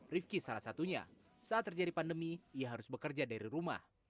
rifki salah satunya saat terjadi pandemi ia harus bekerja dari rumah